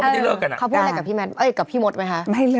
ไม่เลิกเนอะ